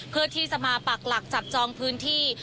เพื่อที่จะมาปักหลักจับจองพื้นที่